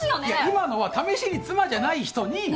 いや今のは試しに妻じゃない人に。